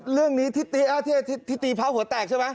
เรื่องนี้ทิศตีเผาหัวแตกใช่ไหม